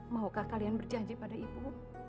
maukah kalian berjanji pada ibu